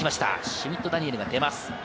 シュミット・ダニエルが出ます。